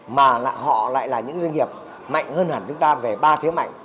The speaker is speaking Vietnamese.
mà họ lại là những doanh nghiệp mạnh hơn hẳn chúng ta về ba thế mạnh